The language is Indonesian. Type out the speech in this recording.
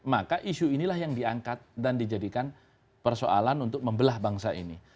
maka isu inilah yang diangkat dan dijadikan persoalan untuk membelah bangsa ini